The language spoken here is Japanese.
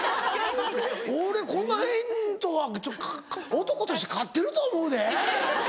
俺このへんとは男として勝ってると思うで？